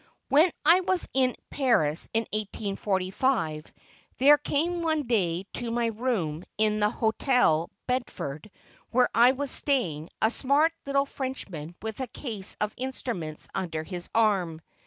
When I was in Paris in 1845, there came one day to my room in the Hotel Bedford, where I was staying, a smart little Frenchman with a case of instruments under his arm.